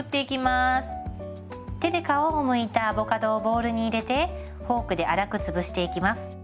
手で皮をむいたアボカドをボウルに入れてフォークで粗く潰していきます。